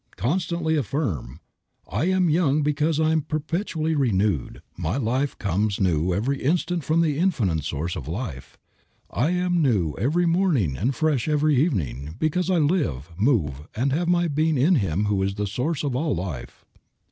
Constantly affirm, "I am young because I am perpetually being renewed; my life comes new every instant from the Infinite Source of life. I am new every morning and fresh every evening, because I live, move, and have my being in Him who is the source of all life."